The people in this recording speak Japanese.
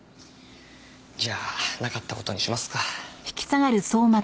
じゃあなかった事にしますか。